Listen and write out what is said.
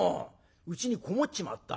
うちに籠もっちまった？